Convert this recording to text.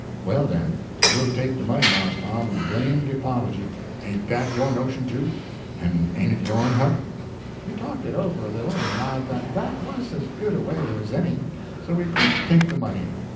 "Well, den, we'll take de money, Mars Tom, blame de 'pology. Hain't dat yo' notion, too? En hain't it yourn, Huck?" We talked it over a little and allowed that that was as good a way as any, so we agreed to take the money.